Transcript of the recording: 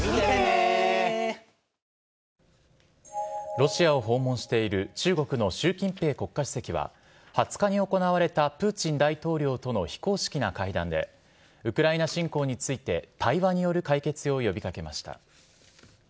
ロシアを訪問している中国の習近平国家主席は、２０日に行われたプーチン大統領との非公式な会談で、ウクライナ侵攻について対話による解決を呼びかけました。